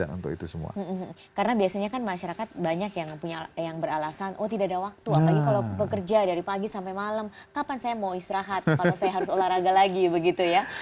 karena biasanya kan masyarakat banyak yang punya yang beralasan oh tidak ada waktu apalagi kalau bekerja dari pagi sampai malam kapan saya mau istirahat kalau saya harus olahraga lagi begitu ya